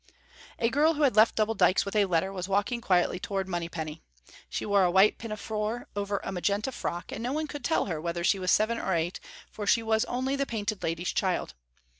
A girl who had left Double Dykes with a letter was walking quickly toward Monypenny. She wore a white pinafore over a magenta frock, and no one could tell her whether she was seven or eight, for she was only the Painted Lady's child.